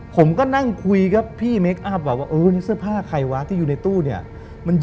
ผมก็นั่งคุยกับพี่เมคอัพ